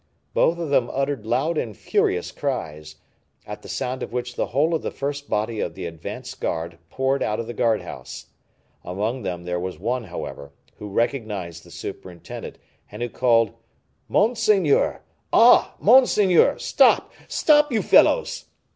Both of them uttered loud and furious cries, at the sound of which the whole of the first body of the advanced guard poured out of the guardhouse. Among them there was one, however, who recognized the superintendent, and who called, "Monseigneur, ah! monseigneur. Stop, stop, you fellows!"